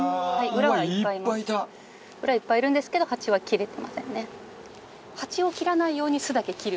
裏いっぱいいるんですけどハチは切れてませんね。